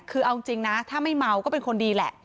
คือเอาจริงนะถ้าไม่เมาก็เป็นคนดีแหละ